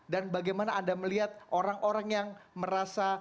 dan bagaimana anda melihat orang orang yang merasa